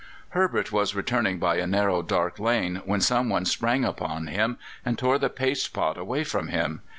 Herbert was returning by a narrow dark lane when someone sprang upon him and tore the paste pot away from him.